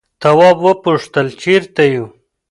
تواب وپوښتل چیرته یو.